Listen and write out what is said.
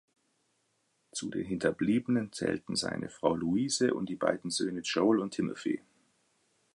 Zu den Hinterbliebenen zählten seine Frau Louise und die beiden Söhne Joel und Timothy.